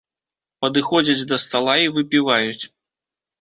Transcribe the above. Падыходзяць да стала і выпіваюць.